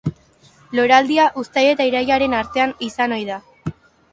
Loraldia uztaila eta irailaren artean izan ohi da.